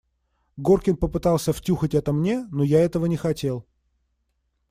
Горкин попытался втюхать это мне, но я этого не хотел.